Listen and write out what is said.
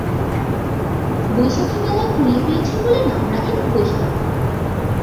বৈশাখী মেলায় কুড়িয়ে পেয়েছেন বলে নাম রাখেন বৈশাখ।